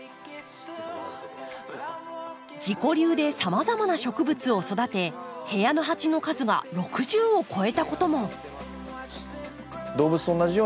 自己流でさまざまな植物を育て部屋の鉢の数が６０を超えたことも。